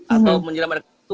atau menjelam air keras itu